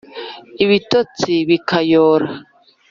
ibitotsi bikayora